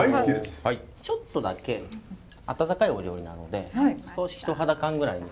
ちょっとだけ温かいお料理なので少し人肌燗ぐらいに。